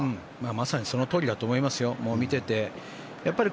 まさにそのとおりだと思いますよ、見ていて。